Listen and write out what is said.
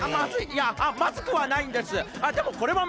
いやまずくはないんです！